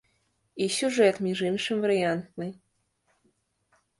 І сюжэт, між іншым, варыянтны.